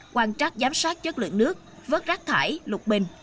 quan trắc giám sát chất lượng nước vớt rác thải lục bình